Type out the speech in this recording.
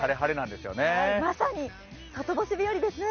まさに外干し日和ですね。